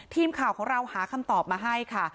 ทีมข่าวของเราหาคำตอบมาให้ค่ะ